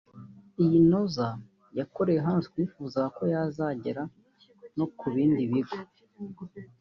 Iyi Noza yakorewe hano twifuza ko yazagera no ku bindi bigo